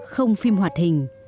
không phim hoạt hình